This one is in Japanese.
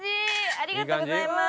ありがとうございます。